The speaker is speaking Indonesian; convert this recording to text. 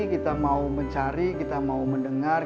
kita mau mencari kita mau mendengar